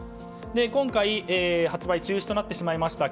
今回発売中止となってしまいました